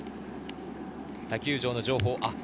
他球場の情報です。